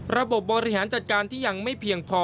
บบริหารจัดการที่ยังไม่เพียงพอ